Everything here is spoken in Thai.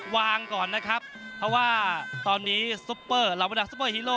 วางก่อนนะครับเพราะว่าตอนนี้สุปเปอร์รับประนับสุเปอร์ฮีโร